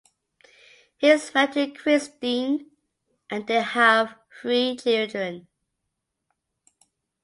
He is married to Christine and they have three children.